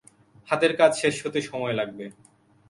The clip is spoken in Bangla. হাতের কাজ শেষ হতে সময় লাগবে।